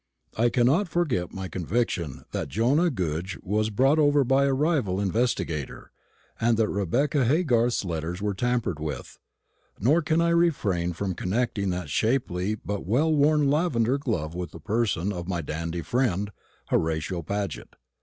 I cannot forget my conviction that Jonah Goodge was bought over by a rival investigator, and that Rebecca Haygarth's letters were tampered with; nor can I refrain from connecting that shapely but well worn lavender glove with the person of my dandy friend, Horatio Paget.